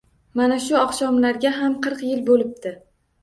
Mana shu oqshomlarga ham qirq yil bo’libdi…